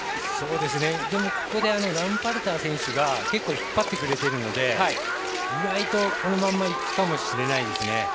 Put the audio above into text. ここでラムパルター選手が結構引っ張ってくれているので意外とこのままいくかもしれないですね。